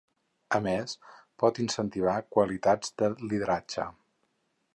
A més, pot incentivar qualitats de lideratge.